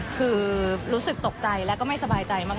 คือรู้สึกตกใจแล้วก็ไม่สบายใจมาก